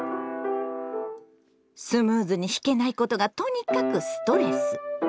スムーズに弾けないことがとにかくストレス！